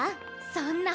そんな！